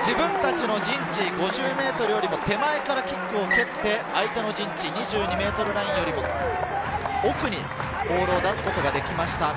自分達の陣地５０ｍよりも手前からキックを蹴って、相手の陣地、２２ｍラインよりも奥にボールを出すことができました。